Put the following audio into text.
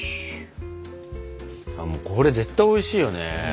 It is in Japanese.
これ絶対おいしいよね。